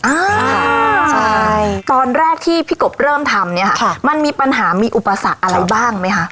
อ่าใช่ตอนแรกที่พี่กบเริ่มทำเนี่ยค่ะมันมีปัญหามีอุปสรรคอะไรบ้างไหมคะ